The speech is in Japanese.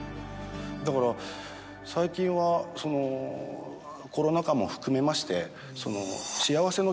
だから最近はそのコロナ禍も含めまして。